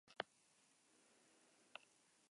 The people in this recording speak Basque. Egon litezkeen arriskuak aurreikusi eta akatsak zuzendu.